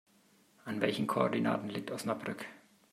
An welchen Koordinaten liegt Osnabrück?